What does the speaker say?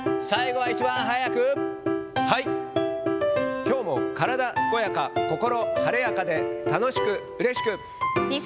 きょうも体健やか心晴れやかで、楽しくうれしく。